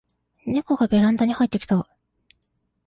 ネコがベランダに入ってきた